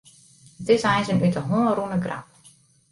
It is eins in út 'e hân rûne grap.